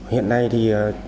hiện nay thì